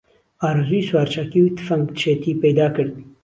ئارەزووی سوارچاکی و تفەنگچێتی پەیدا کرد